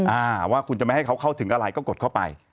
อ่าว่าคุณจะไม่ให้เขาเข้าถึงอะไรก็กดเข้าไป